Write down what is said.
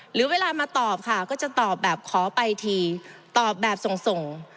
หรือเวลามาตอบค่ะก็จะตอบแบบขอไปทีตอบแบบส่ง